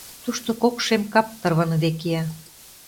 Тушто кок шем кап тарваныде кия.